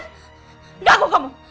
enggak aku kamu